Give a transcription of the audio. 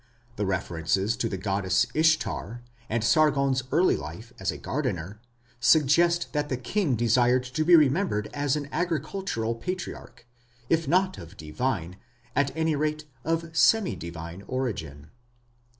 The references to the goddess Ishtar, and Sargon's early life as a gardener, suggest that the king desired to be remembered as an agricultural Patriarch, if not of divine, at any rate of semi divine origin.